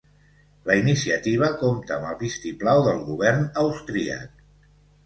La iniciativa compta amb el vistiplau del govern austríac